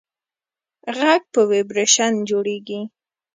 غږ په ویبرېشن جوړېږي.